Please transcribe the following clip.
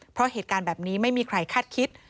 เพราะเหตุการณ์แบบนี้ไม่มีใครคาดคิด